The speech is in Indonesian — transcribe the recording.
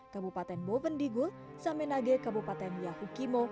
kabupaten bovendigul samenage kabupaten yahukimo